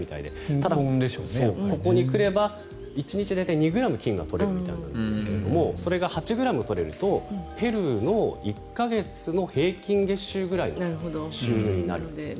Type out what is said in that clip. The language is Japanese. ただ、ここに来れば１日、大体２ｇ金が取れるみたいなんですがそれが８ｇ取れると、ペルーの１か月の平均月収ぐらいの収入になるんですって。